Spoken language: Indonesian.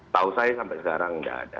tahu saya sampai sekarang tidak ada